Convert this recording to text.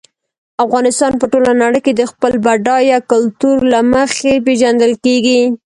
افغانستان په ټوله نړۍ کې د خپل بډایه کلتور له مخې پېژندل کېږي.